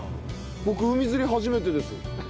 僕海釣り初めてです。